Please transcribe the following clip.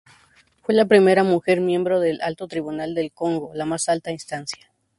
Fue la primera mujer miembro del Alto Tribunal del Congo, la más alta instancia.